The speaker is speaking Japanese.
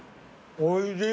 おいしい！